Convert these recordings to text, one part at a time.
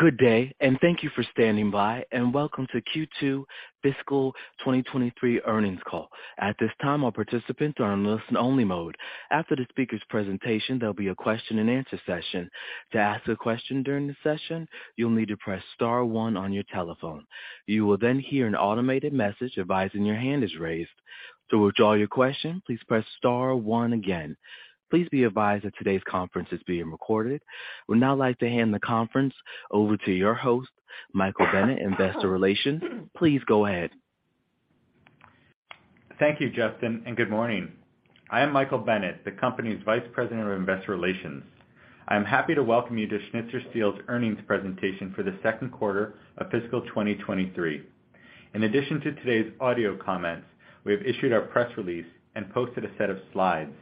Good day, thank you for standing by, welcome to Q2 fiscal 2023 earnings call. At this time, all participants are on listen only mode. After the speaker's presentation, there'll be a question-and-answer session. To ask a question during the session, you'll need to press star one on your telephone. You will hear an automated message advising your hand is raised. To withdraw your question, please press star one again. Please be advised that today's conference is being recorded. We'd now like to hand the conference over to your host, Michael Bennett, Investor Relations. Please go ahead. Thank you, Justin. Good morning. I am Michael Bennett, the company's Vice President of Investor Relations. I'm happy to welcome you to Schnitzer Steel's earnings presentation for the second quarter of fiscal 2023. In addition to today's audio comments, we have issued our press release and posted a set of slides,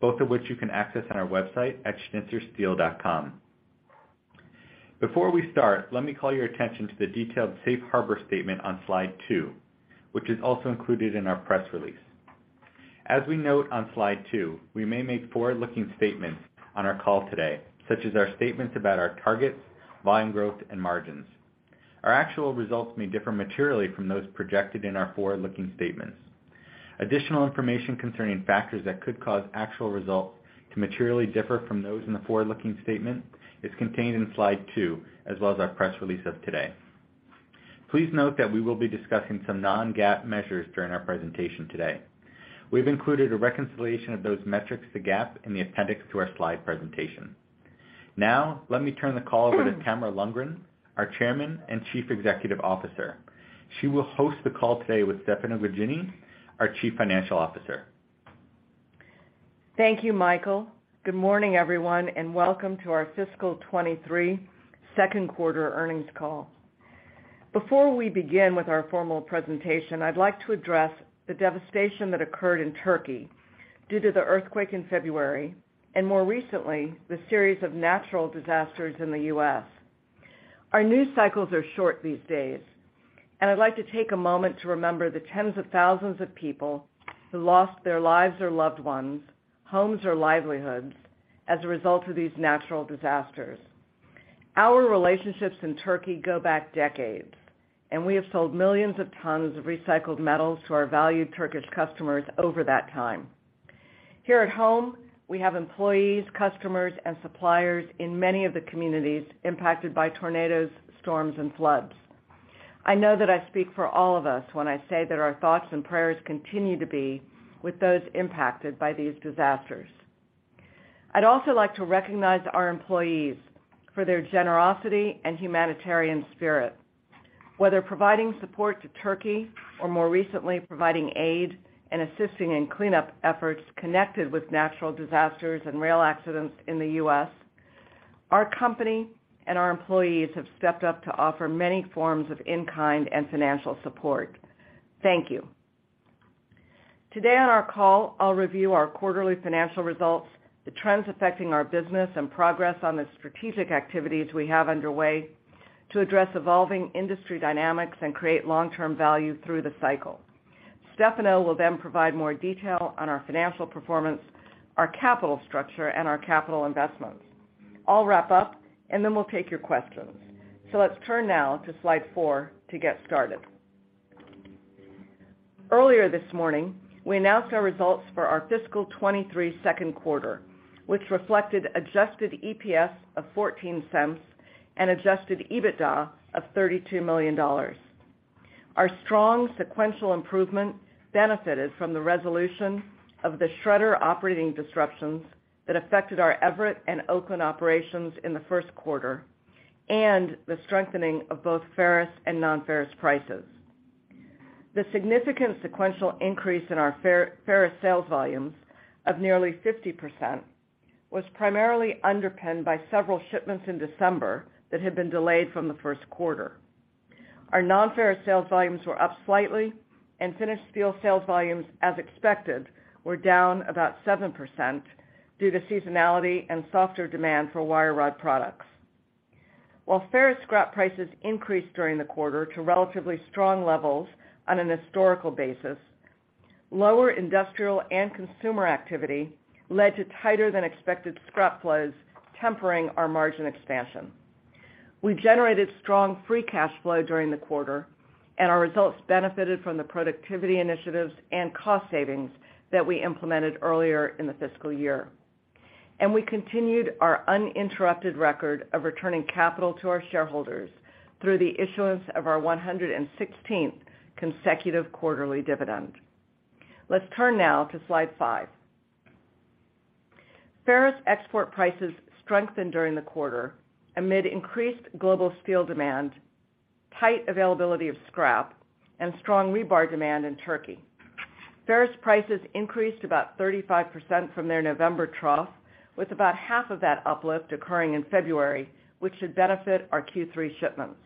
both of which you can access on our website at schnitzersteel.com. Before we start, let me call your attention to the detailed safe harbor statement on slide 2, which is also included in our press release. As we note on slide 2, we may make forward-looking statements on our call today, such as our statements about our targets, volume growth, and margins. Our actual results may differ materially from those projected in our forward-looking statements. Additional information concerning factors that could cause actual results to materially differ from those in the forward-looking statement is contained in slide two, as well as our press release of today. Please note that we will be discussing some non-GAAP measures during our presentation today. We've included a reconciliation of those metrics to GAAP in the appendix to our slide presentation. Let me turn the call over to Tamara Lundgren, our Chairman and Chief Executive Officer. She will host the call today with Stefano Gaggini, our Chief Financial Officer. Thank you, Michael. Good morning, everyone, welcome to our fiscal 23 second quarter earnings call. Before we begin with our formal presentation, I'd like to address the devastation that occurred in Turkey due to the earthquake in February, more recently, the series of natural disasters in the U.S. Our news cycles are short these days, I'd like to take a moment to remember the tens of thousands of people who lost their lives or loved ones, homes or livelihoods as a result of these natural disasters. Our relationships in Turkey go back decades, we have sold millions of tons of recycled metals to our valued Turkish customers over that time. Here at home, we have employees, customers, and suppliers in many of the communities impacted by tornadoes, storms, and floods. I know that I speak for all of us when I say that our thoughts and prayers continue to be with those impacted by these disasters. I'd also like to recognize our employees for their generosity and humanitarian spirit. Whether providing support to Turkey or more recently, providing aid and assisting in cleanup efforts connected with natural disasters and rail accidents in the U.S., our company and our employees have stepped up to offer many forms of in-kind and financial support. Thank you. Today on our call, I'll review our quarterly financial results, the trends affecting our business, and progress on the strategic activities we have underway to address evolving industry dynamics and create long-term value through the cycle. Stefano will then provide more detail on our financial performance, our capital structure, and our capital investments. I'll wrap up, and then we'll take your questions. Let's turn now to slide 4 to get started. Earlier this morning, we announced our results for our fiscal 2023 second quarter, which reflected adjusted EPS of $0.14 and adjusted EBITDA of $32 million. Our strong sequential improvement benefited from the resolution of the shredder operating disruptions that affected our Everett and Oakland operations in the first quarter and the strengthening of both ferrous and non-ferrous prices. The significant sequential increase in our ferrous sales volumes of nearly 50% was primarily underpinned by several shipments in December that had been delayed from the first quarter. Our non-ferrous sales volumes were up slightly, and finished steel sales volumes, as expected, were down about 7% due to seasonality and softer demand for wire rod products. While ferrous scrap prices increased during the quarter to relatively strong levels on an historical basis, lower industrial and consumer activity led to tighter than expected scrap flows, tempering our margin expansion. Our results benefited from the productivity initiatives and cost savings that we implemented earlier in the fiscal year. We continued our uninterrupted record of returning capital to our shareholders through the issuance of our 116th consecutive quarterly dividend. Let's turn now to slide 5. Ferrous export prices strengthened during the quarter amid increased global steel demand, tight availability of scrap, and strong rebar demand in Turkey. Ferrous prices increased about 35% from their November trough, with about half of that uplift occurring in February, which should benefit our Q3 shipments.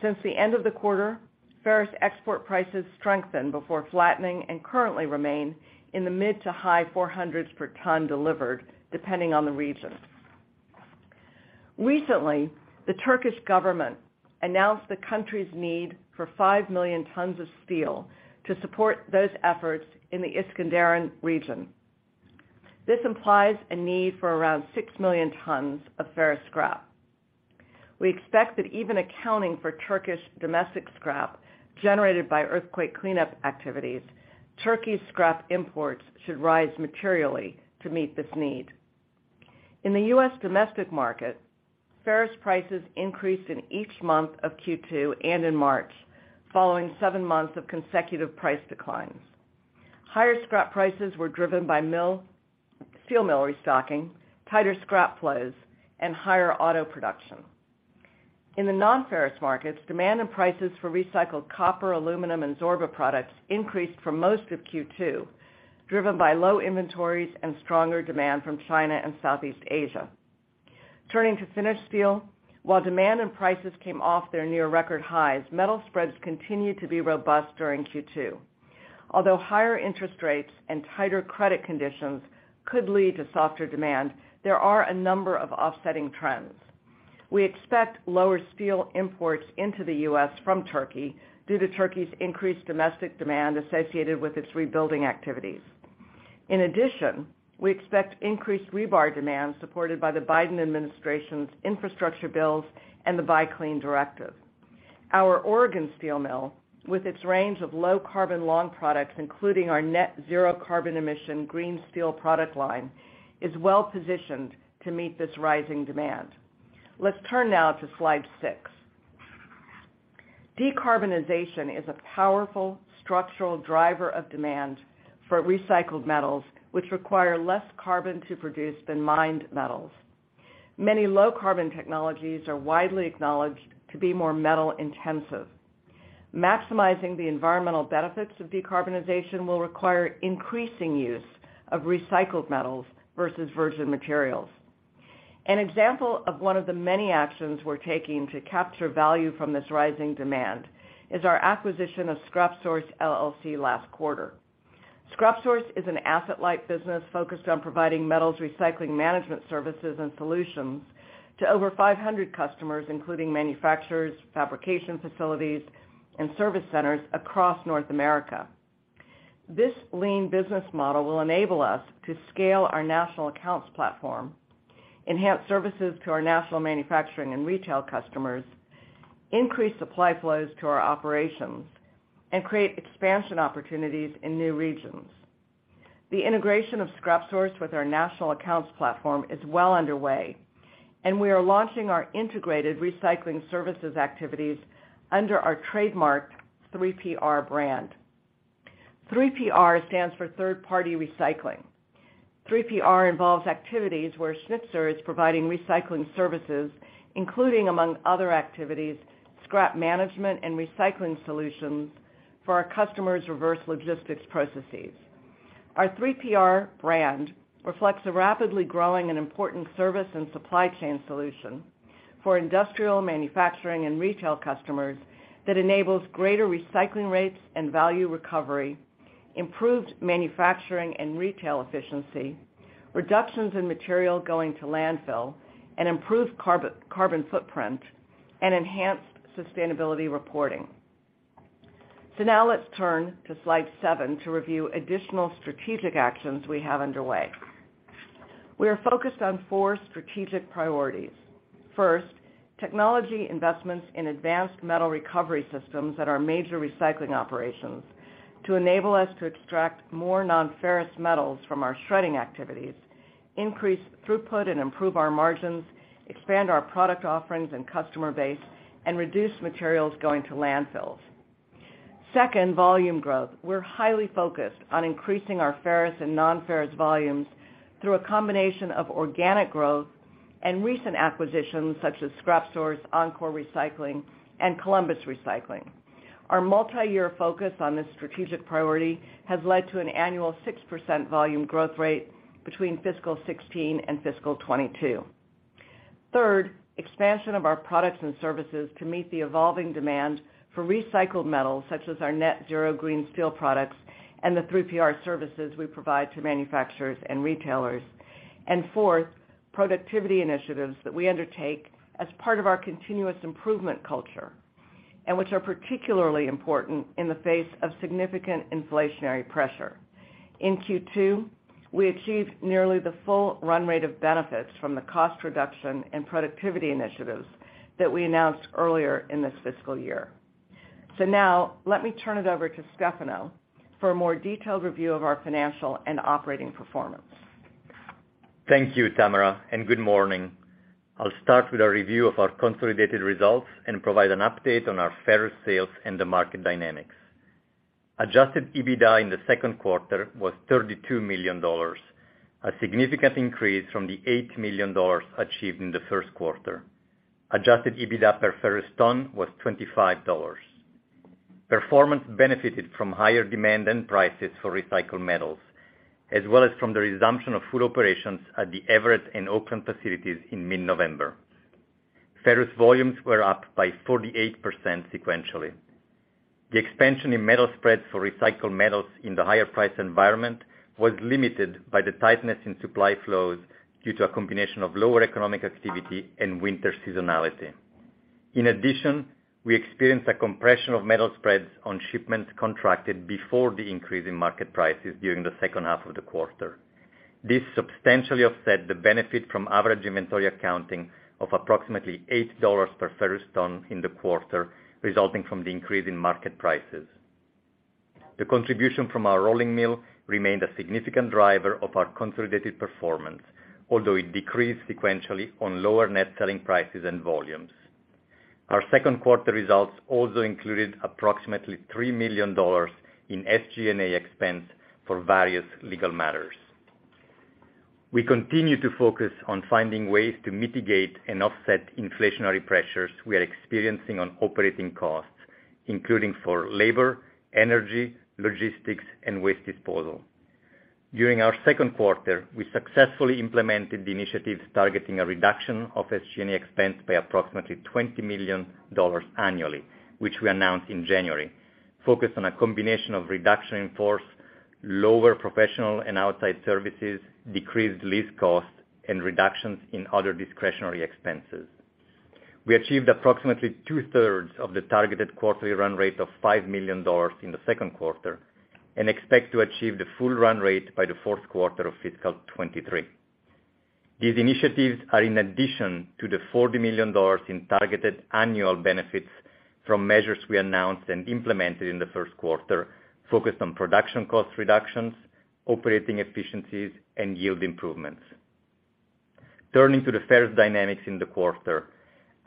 Since the end of the quarter, ferrous export prices strengthened before flattening and currently remain in the mid to high $400s per ton delivered, depending on the region. Recently, the Turkish government announced the country's need for 5 million tons of steel to support those efforts in the Iskenderun region. This implies a need for around 6 million tons of ferrous scrap. We expect that even accounting for Turkish domestic scrap generated by earthquake cleanup activities, Turkey's scrap imports should rise materially to meet this need. In the U.S. domestic market, ferrous prices increased in each month of Q2 and in March, following 7 months of consecutive price declines. Higher scrap prices were driven by steel mill restocking, tighter scrap flows, and higher auto production. In the non-ferrous markets, demand and prices for recycled copper, aluminum, and zorba products increased for most of Q2, driven by low inventories and stronger demand from China and Southeast Asia. Turning to finished steel, while demand and prices came off their near record highs, metal spreads continued to be robust during Q2. Higher interest rates and tighter credit conditions could lead to softer demand, there are a number of offsetting trends. We expect lower steel imports into the U.S. from Turkey due to Turkey's increased domestic demand associated with its rebuilding activities. We expect increased rebar demand supported by the Biden administration's infrastructure bills and the Buy Clean directive. Our Oregon steel mill, with its range of low-carbon long products, including our net zero carbon emission green steel product line, is well-positioned to meet this rising demand. Let's turn now to slide six. Decarbonization is a powerful structural driver of demand for recycled metals, which require less carbon to produce than mined metals. Many low carbon technologies are widely acknowledged to be more metal-intensive. Maximizing the environmental benefits of decarbonization will require increasing use of recycled metals versus virgin materials. An example of one of the many actions we're taking to capture value from this rising demand is our acquisition of ScrapSource LLC last quarter. ScrapSource is an asset-light business focused on providing metals recycling management services and solutions to over 500 customers, including manufacturers, fabrication facilities, and service centers across North America. This lean business model will enable us to scale our national accounts platform, enhance services to our national manufacturing and retail customers, increase supply flows to our operations, and create expansion opportunities in new regions. The integration of ScrapSource with our national accounts platform is well underway, and we are launching our integrated recycling services activities under our 3PR brand. 3PR stands for third-party recycling. 3PR involves activities where Schnitzer is providing recycling services, including among other activities, scrap management and recycling solutions for our customers' reverse logistics processes. Our 3PR brand reflects a rapidly growing and important service and supply chain solution for industrial manufacturing and retail customers that enables greater recycling rates and value recovery, improved manufacturing and retail efficiency, reductions in material going to landfill, an improved carbon footprint, and enhanced sustainability reporting. Now let's turn to slide 7 to review additional strategic actions we have underway. We are focused on 4 strategic priorities. First, technology investments in advanced metal recovery systems at our major recycling operations to enable us to extract more non-ferrous metals from our shredding activities, increase throughput and improve our margins, expand our product offerings and customer base, and reduce materials going to landfills. Second, volume growth. We're highly focused on increasing our ferrous and non-ferrous volumes through a combination of organic growth and recent acquisitions such as ScrapSource, Encore Recycling, and Columbus Recycling. Our multi-year focus on this strategic priority has led to an annual 6% volume growth rate between fiscal 2016 and fiscal 2022. Third, expansion of our products and services to meet the evolving demand for recycled metals such as our net zero green steel products and the 3PR services we provide to manufacturers and retailers. Fourth, productivity initiatives that we undertake as part of our continuous improvement culture, and which are particularly important in the face of significant inflationary pressure. In Q2, we achieved nearly the full run rate of benefits from the cost reduction and productivity initiatives that we announced earlier in this fiscal year. Now let me turn it over to Stefano for a more detailed review of our financial and operating performance. Thank you, Tamara. Good morning. I'll start with a review of our consolidated results and provide an update on our ferrous sales and the market dynamics. Adjusted EBITDA in the second quarter was $32 million, a significant increase from the $8 million achieved in the first quarter. Adjusted EBITDA per ferrous ton was $25. Performance benefited from higher demand and prices for recycled metals, as well as from the resumption of full operations at the Everett and Oakland facilities in mid-November. Ferrous volumes were up by 48% sequentially. The expansion in metal spreads for recycled metals in the higher price environment was limited by the tightness in supply flows due to a combination of lower economic activity and winter seasonality. We experienced a compression of metal spreads on shipments contracted before the increase in market prices during the second half of the quarter. This substantially offset the benefit from average inventory accounting of approximately $8 per ferrous ton in the quarter, resulting from the increase in market prices. The contribution from our rolling mill remained a significant driver of our consolidated performance, although it decreased sequentially on lower net selling prices and volumes. Our second quarter results also included approximately $3 million in SG&A expense for various legal matters. We continue to focus on finding ways to mitigate and offset inflationary pressures we are experiencing on operating costs, including for labor, energy, logistics, and waste disposal. During our second quarter, we successfully implemented the initiatives targeting a reduction of SG&A expense by approximately $20 million annually, which we announced in January, focused on a combination of reduction in force, lower professional and outside services, decreased lease costs, and reductions in other discretionary expenses. We achieved approximately two-thirds of the targeted quarterly run rate of $5 million in the second quarter and expect to achieve the full run rate by the fourth quarter of fiscal 2023. These initiatives are in addition to the $40 million in targeted annual benefits from measures we announced and implemented in the first quarter, focused on production cost reductions, operating efficiencies, and yield improvements. Turning to the ferrous dynamics in the quarter,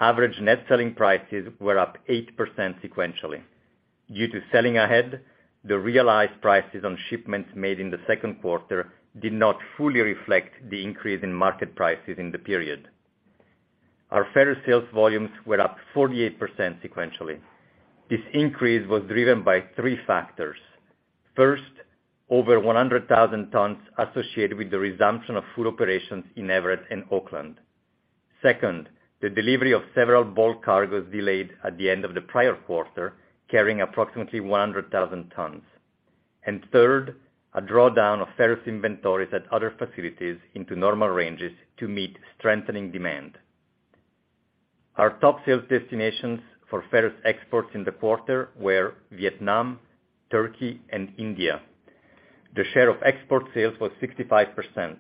average net selling prices were up 8% sequentially. Due to selling ahead, the realized prices on shipments made in the second quarter did not fully reflect the increase in market prices in the period. Our ferrous sales volumes were up 48% sequentially. This increase was driven by three factors. First, over 100,000 tons associated with the resumption of full operations in Everett and Oakland. Second, the delivery of several bulk cargoes delayed at the end of the prior quarter, carrying approximately 100,000 tons. Third, a drawdown of ferrous inventories at other facilities into normal ranges to meet strengthening demand. Our top sales destinations for ferrous exports in the quarter were Vietnam, Turkey, and India. The share of export sales was 65%.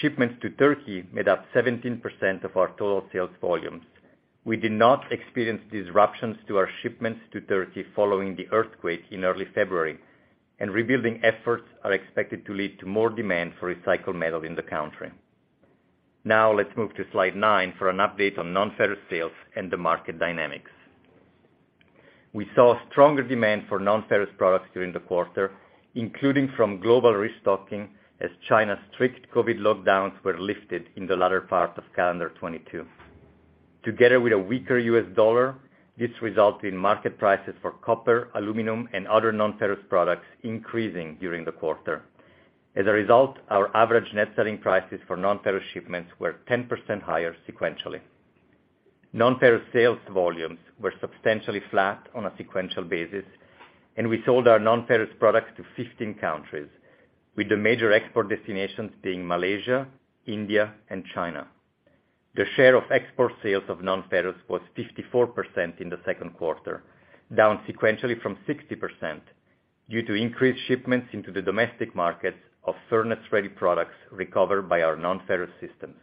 Shipments to Turkey made up 17% of our total sales volumes. We did not experience disruptions to our shipments to Turkey following the earthquake in early February. Rebuilding efforts are expected to lead to more demand for recycled metal in the country. Let's move to slide 9 for an update on non-ferrous sales and the market dynamics. We saw stronger demand for non-ferrous products during the quarter, including from global restocking as China's strict COVID lockdowns were lifted in the latter part of calendar 2022. Together with a weaker US dollar, this resulted in market prices for copper, aluminum, and other non-ferrous products increasing during the quarter. As a result, our average net selling prices for non-ferrous shipments were 10% higher sequentially. Non-ferrous sales volumes were substantially flat on a sequential basis. We sold our non-ferrous products to 15 countries, with the major export destinations being Malaysia, India, and China. The share of export sales of non-ferrous was 54% in the second quarter, down sequentially from 60% due to increased shipments into the domestic market of furnace-ready products recovered by our non-ferrous systems.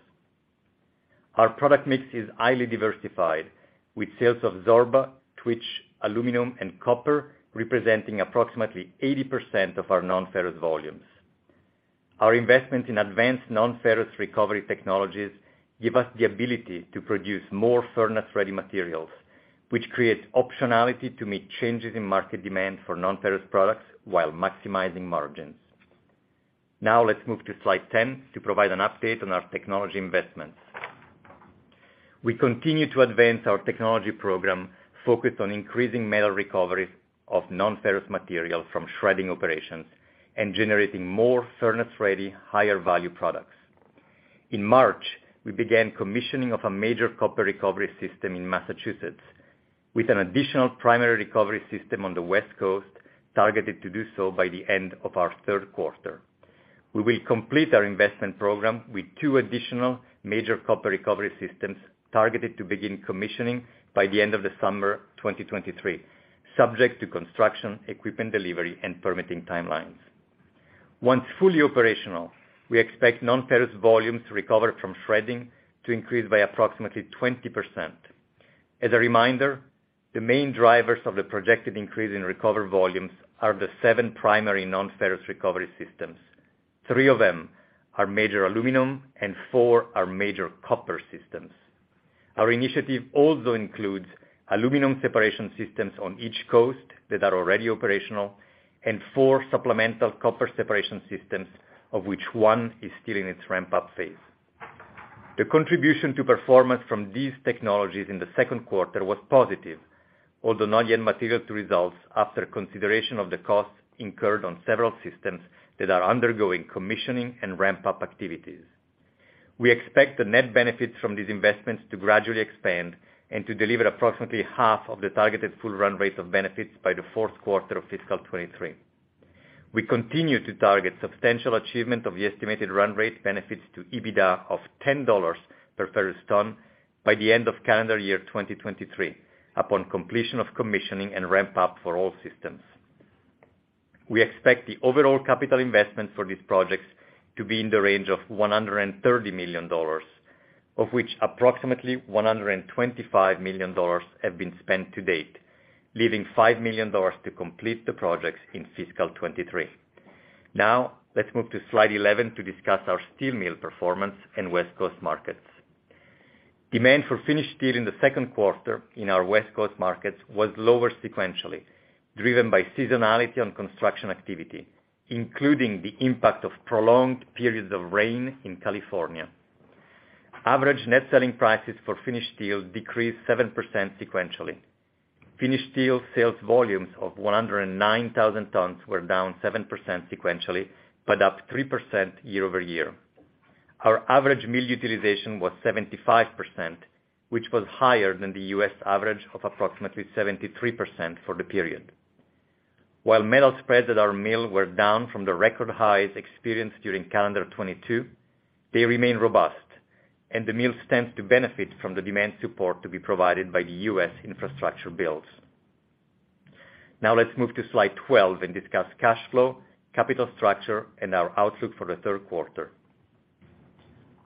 Our product mix is highly diversified, with sales of Zorba, Twitch, aluminum, and copper representing approximately 80% of our non-ferrous volumes. Our investments in advanced non-ferrous recovery technologies give us the ability to produce more furnace-ready materials, which creates optionality to meet changes in market demand for non-ferrous products while maximizing margins. Let's move to slide 10 to provide an update on our technology investments. We continue to advance our technology program focused on increasing metal recoveries of non-ferrous material from shredding operations and generating more furnace-ready, higher-value products. In March, we began commissioning of a major copper recovery system in Massachusetts with an additional primary recovery system on the West Coast targeted to do so by the end of our third quarter. We will complete our investment program with 2 additional major copper recovery systems targeted to begin commissioning by the end of the summer 2023, subject to construction, equipment delivery, and permitting timelines. Once fully operational, we expect non-ferrous volumes recovered from shredding to increase by approximately 20%. As a reminder, the main drivers of the projected increase in recovery volumes are the seven primary non-ferrous recovery systems. Three of them are major aluminum and four are major copper systems. Our initiative also includes aluminum separation systems on each coast that are already operational and four supplemental copper separation systems, of which one is still in its ramp-up phase. The contribution to performance from these technologies in the second quarter was positive, although not yet material to results after consideration of the costs incurred on several systems that are undergoing commissioning and ramp-up activities. We expect the net benefits from these investments to gradually expand and to deliver approximately half of the targeted full run rate of benefits by the fourth quarter of fiscal 2023. We continue to target substantial achievement of the estimated run rate benefits to EBITDA of $10 per ferrous ton by the end of calendar year 2023, upon completion of commissioning and ramp up for all systems. We expect the overall capital investment for these projects to be in the range of $130 million, of which approximately $125 million have been spent to date, leaving $5 million to complete the projects in fiscal 2023. Now, let's move to slide 11 to discuss our steel mill performance in West Coast markets. Demand for finished steel in the second quarter in our West Coast markets was lower sequentially, driven by seasonality on construction activity, including the impact of prolonged periods of rain in California. Average net selling prices for finished steel decreased 7% sequentially. Finished steel sales volumes of 109,000 tons were down 7% sequentially, but up 3% year-over-year. Our average mill utilization was 75%, which was higher than the U.S. average of approximately 73% for the period. While metal spreads at our mill were down from the record highs experienced during calendar 2022, they remain robust and the mill stands to benefit from the demand support to be provided by the U.S. infrastructure bills. Let's move to slide 12 and discuss cash flow, capital structure, and our outlook for the third quarter.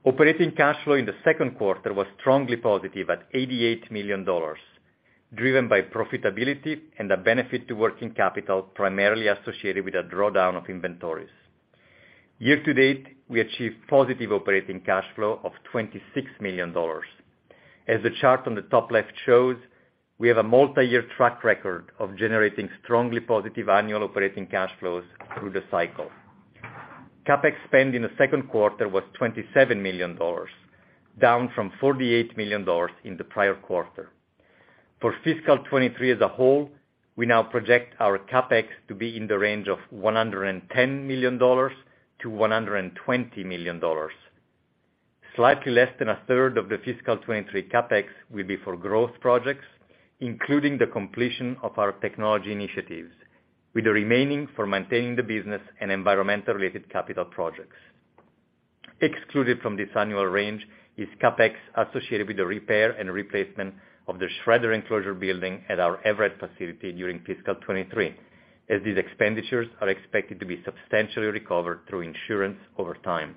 Operating cash flow in the second quarter was strongly positive at $88 million, driven by profitability and a benefit to working capital primarily associated with a drawdown of inventories. Year to date, we achieved positive operating cash flow of $26 million. As the chart on the top left shows, we have a multiyear track record of generating strongly positive annual operating cash flows through the cycle. CapEx spend in the second quarter was $27 million, down from $48 million in the prior quarter. For fiscal 2023 as a whole, we now project our CapEx to be in the range of $110 million-$120 million. Slightly less than a third of the fiscal 2023 CapEx will be for growth projects, including the completion of our technology initiatives, with the remaining for maintaining the business and environmental related capital projects. Excluded from this annual range is CapEx associated with the repair and replacement of the shredder enclosure building at our Everett facility during fiscal 2023, as these expenditures are expected to be substantially recovered through insurance over time.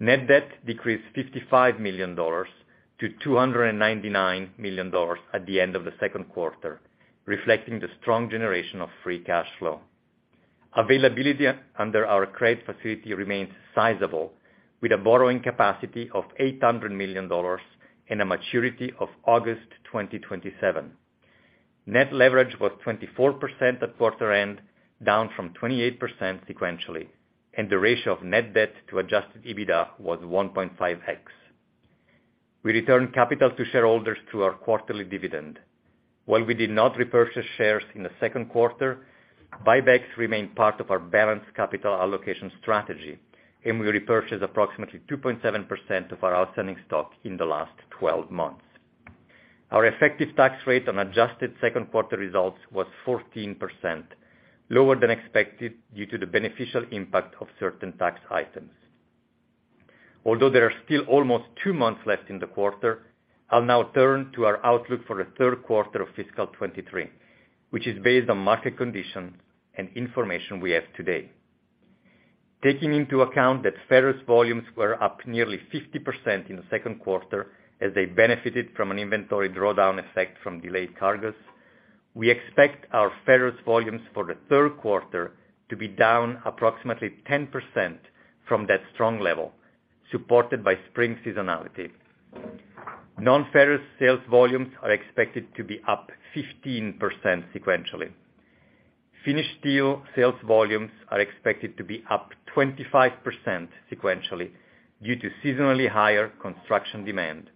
Net debt decreased $55 million to $299 million at the end of the second quarter, reflecting the strong generation of free cash flow. Availability under our credit facility remains sizable, with a borrowing capacity of $800 million and a maturity of August 2027. Net leverage was 24% at quarter end, down from 28% sequentially, and the ratio of net debt to adjusted EBITDA was 1.5x. We returned capital to shareholders through our quarterly dividend. While we did not repurchase shares in the second quarter, buybacks remain part of our balanced capital allocation strategy, and we repurchased approximately 2.7% of our outstanding stock in the last 12 months. Our effective tax rate on adjusted second quarter results was 14%, lower than expected due to the beneficial impact of certain tax items. Although there are still almost two months left in the quarter, I'll now turn to our outlook for the third quarter of fiscal 2023, which is based on market conditions and information we have today. Taking into account that ferrous volumes were up nearly 50% in the second quarter as they benefited from an inventory drawdown effect from delayed cargoes, we expect our ferrous volumes for the third quarter to be down approximately 10% from that strong level, supported by spring seasonality. Non-ferrous sales volumes are expected to be up 15% sequentially. Finished steel sales volumes are expected to be up 25% sequentially due to seasonally higher construction demand.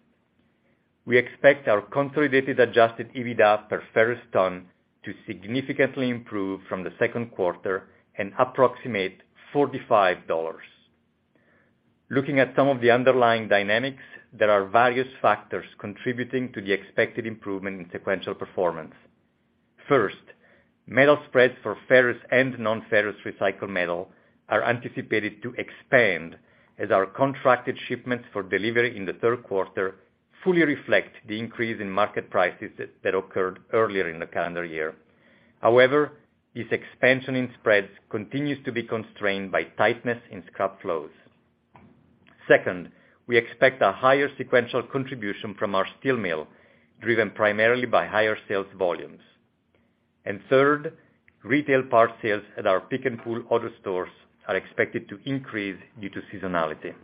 We expect our consolidated adjusted EBITDA per ferrous ton to significantly improve from the second quarter and approximate $45. Looking at some of the underlying dynamics, there are various factors contributing to the expected improvement in sequential performance. First, metal spreads for ferrous and non-ferrous recycled metal are anticipated to expand as our contracted shipments for delivery in the third quarter fully reflect the increase in market prices that occurred earlier in the calendar year. However, this expansion in spreads continues to be constrained by tightness in scrap flows. Second, we expect a higher sequential contribution from our steel mill, driven primarily by higher sales volumes. Third, retail part sales at our Pick-n-Pull auto stores are expected to increase due to seasonality.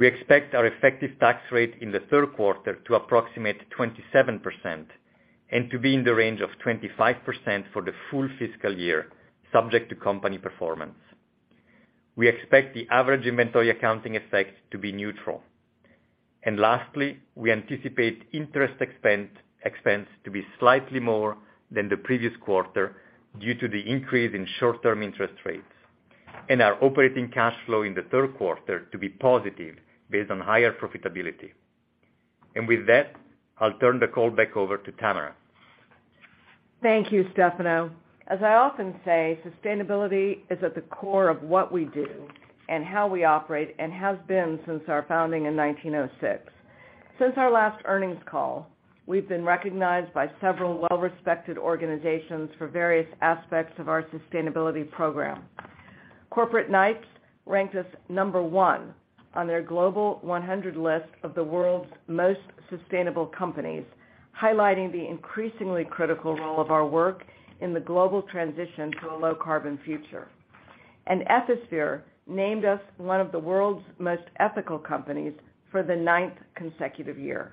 We expect our effective tax rate in the third quarter to approximate 27% and to be in the range of 25% for the full fiscal year, subject to company performance. We expect the average inventory accounting effect to be neutral. Lastly, we anticipate interest expense to be slightly more than the previous quarter due to the increase in short-term interest rates and our operating cash flow in the third quarter to be positive based on higher profitability. With that, I'll turn the call back over to Tamara. Thank you, Stefano. As I often say, sustainability is at the core of what we do and how we operate and has been since our founding in 1906. Since our last earnings call, we've been recognized by several well-respected organizations for various aspects of our sustainability program. Corporate Knights ranked us number 1 on their Global 100 list of the world's most sustainable companies, highlighting the increasingly critical role of our work in the global transition to a low-carbon future. Ethisphere named us one of the world's most ethical companies for the 9th consecutive year.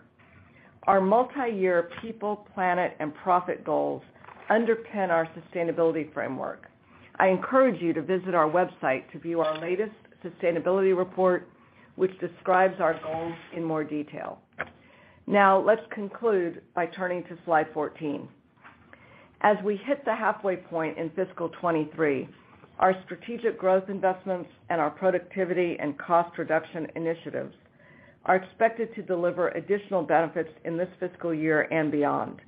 Our multi-year people, planet, and profit goals underpin our sustainability framework. I encourage you to visit our website to view our latest sustainability report, which describes our goals in more detail. Let's conclude by turning to slide 14. As we hit the halfway point in fiscal 2023, our strategic growth investments and our productivity and cost reduction initiatives are expected to deliver additional benefits in this fiscal year and beyond.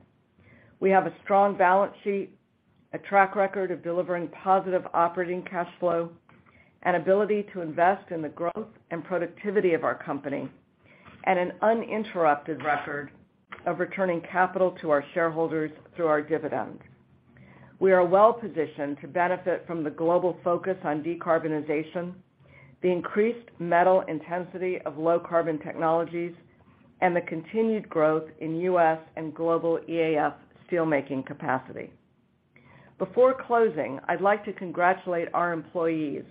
We have a strong balance sheet, a track record of delivering positive operating cash flow, an ability to invest in the growth and productivity of our company, and an uninterrupted record of returning capital to our shareholders through our dividends. We are well-positioned to benefit from the global focus on decarbonization, the increased metal intensity of low-carbon technologies, and the continued growth in US and global EAF steelmaking capacity. Before closing, I'd like to congratulate our employees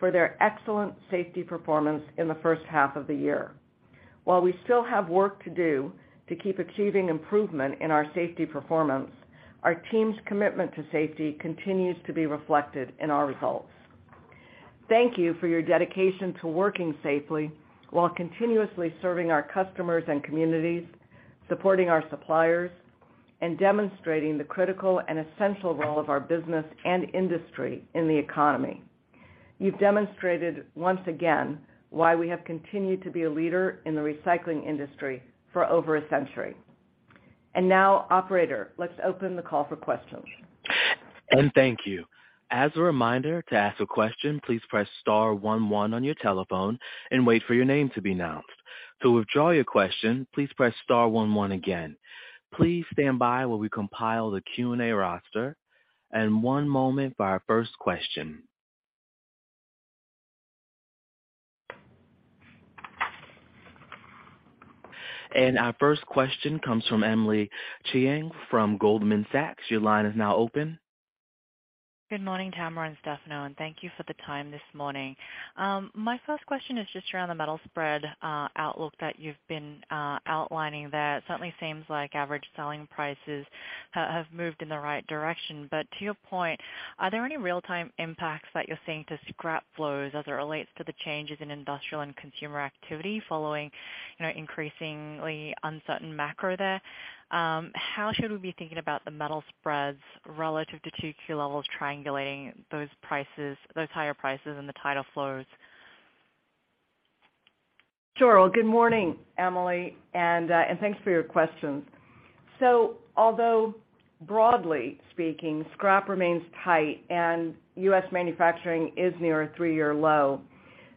for their excellent safety performance in the first half of the year. While we still have work to do to keep achieving improvement in our safety performance, our team's commitment to safety continues to be reflected in our results. Thank you for your dedication to working safely while continuously serving our customers and communities, supporting our suppliers, and demonstrating the critical and essential role of our business and industry in the economy. You've demonstrated once again why we have continued to be a leader in the recycling industry for over a century. Now, operator, let's open the call for questions. Thank you. As a reminder, to ask a question, please press star one one on your telephone and wait for your name to be announced. To withdraw your question, please press star one one again. Please stand by while we compile the Q&A roster. One moment for our first question. Our first question comes from Emily Chieng from Goldman Sachs. Your line is now open. Good morning, Tamara and Stefano, and thank you for the time this morning. My first question is just around the metal spread outlook that you've been outlining there. It certainly seems like average selling prices have moved in the right direction. To your point, are there any real-time impacts that you're seeing to scrap flows as it relates to the changes in industrial and consumer activity following, you know, increasingly uncertain macro there? How should we be thinking about the metal spreads relative to two key levels, triangulating those prices, those higher prices and the tidal flows? Sure. Well, good morning, Emily and thanks for your questions. Although broadly speaking, scrap remains tight and U.S. manufacturing is near a 3-year low,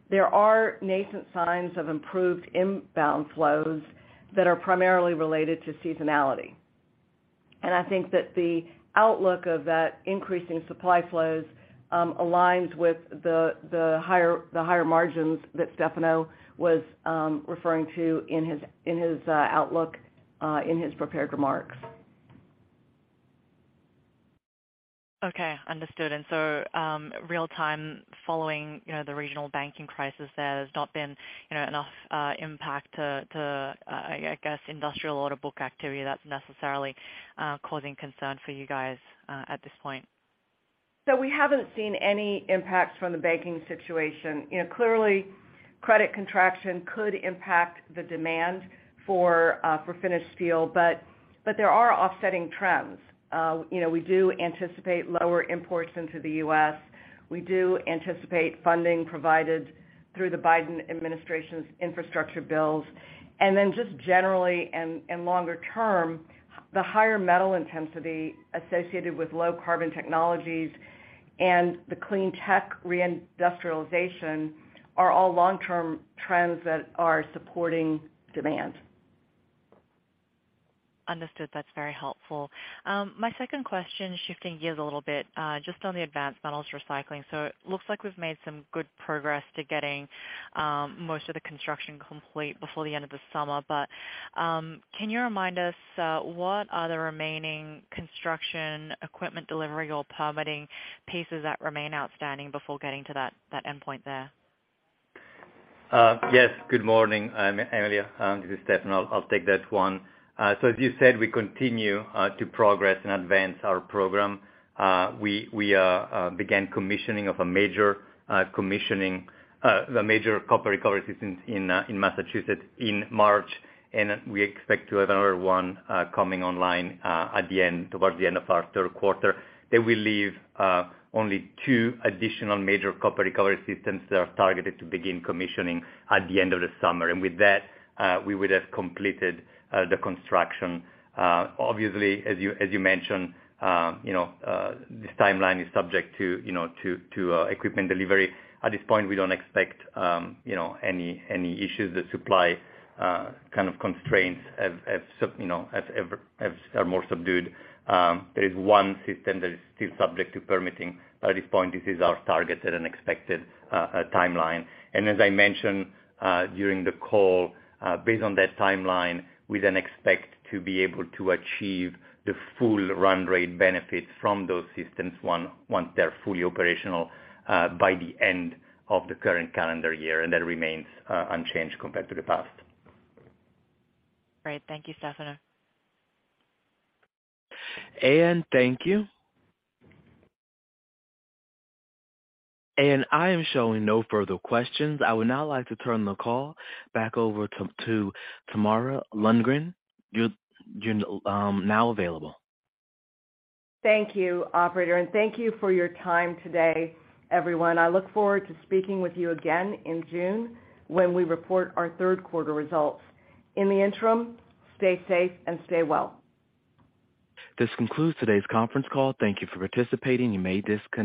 there are nascent signs of improved inbound flows that are primarily related to seasonality. I think that the outlook of that increasing supply flows aligns with the higher margins that Stefano was referring to in his outlook, in his prepared remarks. Okay, understood. Real-time following, you know, the regional banking crisis, there's not been, you know, enough impact to guess, industrial order book activity that's necessarily causing concern for you guys, at this point. We haven't seen any impacts from the banking situation. You know, clearly, credit contraction could impact the demand for finished steel, but there are offsetting trends. You know, we do anticipate lower imports into the U.S. We do anticipate funding provided through the Biden administration's infrastructure bills. Then just generally and longer-term, the higher metal intensity associated with low-carbon technologies and the clean tech reindustrialization are all long-term trends that are supporting demand. Understood. That's very helpful. My second question, shifting gears a little bit, just on the advanced metals recycling. It looks like we've made some good progress to getting most of the construction complete before the end of the summer. Can you remind us, what are the remaining construction equipment delivery or permitting pieces that remain outstanding before getting to that endpoint there? Yes, good morning, Emily. This is Stefano. I'll take that one. As you said, we continue to progress and advance our program. We began commissioning the major copper recovery systems in Massachusetts in March, and we expect to have another one coming online at the end, towards the end of our third quarter. That will leave only two additional major copper recovery systems that are targeted to begin commissioning at the end of the summer. With that, we would have completed the construction. Obviously, as you mentioned, you know, this timeline is subject to, you know, to equipment delivery. At this point, we don't expect, you know, any issues. The supply, kind of constraints are more subdued. There is one system that is still subject to permitting. By this point, this is our targeted and expected timeline. As I mentioned, during the call, based on that timeline, we expect to be able to achieve the full run rate benefit from those systems once they're fully operational, by the end of the current calendar year. That remains unchanged compared to the past. Great. Thank you, Stefano. Thank you. I am showing no further questions. I would now like to turn the call back over to Tamara Lundgren. You're now available. Thank you, operator, and thank you for your time today, everyone. I look forward to speaking with you again in June when we report our third quarter results. In the interim, stay safe and stay well. This concludes today's conference call. Thank you for participating. You may disconnect.